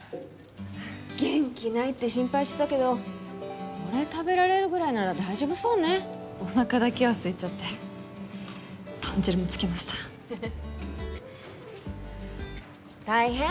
元気ないって心配してたけどそれ食べられるぐらいなら大丈夫そうねおなかだけはすいちゃって豚汁もつけました大変？